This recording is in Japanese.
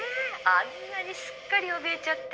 「あんなにすっかり怯えちゃって。